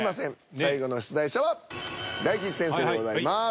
最後の出題者は大吉先生でございます。